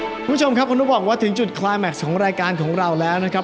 คุณผู้ชมครับคุณต้องบอกว่าถึงจุดคลายแม็กซ์ของรายการของเราแล้วนะครับ